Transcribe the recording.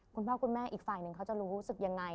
คุณพ่อคุณแม่อีกฝ่ายหนึ่งเขาจะรู้สึกยังไง